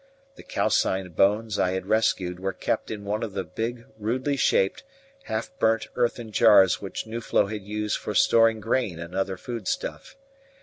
The calcined bones I had rescued were kept in one of the big, rudely shaped, half burnt earthen jars which Nuflo had used for storing grain and other food stuff.